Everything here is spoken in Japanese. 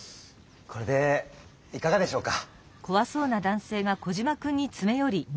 これでいかがでしょうか？